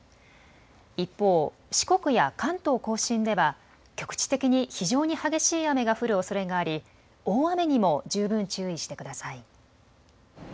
一方、四国や関東甲信では局地的に非常に激しい雨が降るおそれがあり大雨にも十分注意してください。